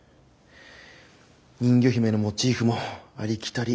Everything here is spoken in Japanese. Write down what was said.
人魚姫のモチーフもありきたり。